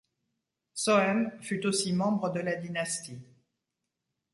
Sohème fut aussi membre de la dynastie.